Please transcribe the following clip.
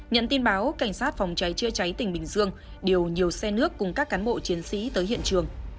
nhận tin báo cảnh sát phòng cháy chữa cháy tỉnh bình dương điều nhiều xe nước cùng các cán bộ chiến sĩ tới hiện trường